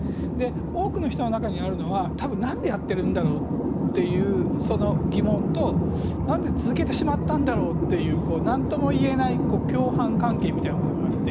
多くの人の中にあるのはたぶん、なんでやってるんだろうという疑問となんで続けてしまったんだろうという、なんともいえない共犯関係みたいなものがあって。